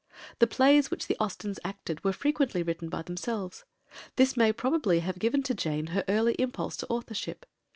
The plays which the Austens acted were frequently written by themselves. This may probably have given to Jane her early impulse to authorship.